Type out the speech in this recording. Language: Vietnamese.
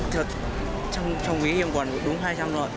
trong quý em còn đúng hai trăm linh thôi